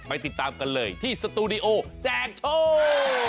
ติดตามกันเลยที่สตูดิโอแจกโชค